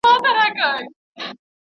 څنګه ټاکني په شفافه توګه ترسره کیږي؟